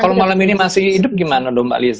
kalo malem ini masih hidup gimana dong mbak lizzy